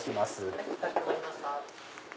はいかしこまりました。